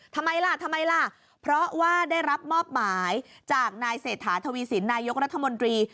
ทำไมล่ะทำไมล่ะเพราะว่าได้รับมอบหมายจากนายเศรษฐาทวีสินนายกรัฐมนตรี